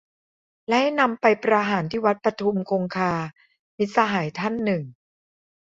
"และให้นำไปประหารที่วัดปทุมคงคา" - มิตรสหายท่านหนึ่ง